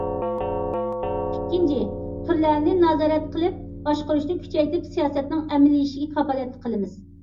ئىككىنچى، تۈرلەرنى نازارەت قىلىپ باشقۇرۇشنى كۈچەيتىپ، سىياسەتنىڭ ئەمەلىيلىشىشىگە كاپالەتلىك قىلىمىز.